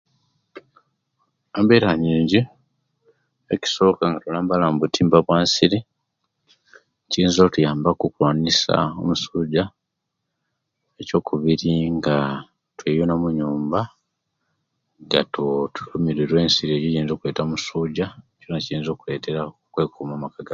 Embeera nyinji ekisoka tulambala mubutimba bwansiri kiyinza okutuyamba okulwanisya omusuja ekyokubiri nga tweyuna omuyumba tetu tetulumiwa ensiri ejo ejireta omusuja ekyo kyoona kiyinza kuletera okwekuuma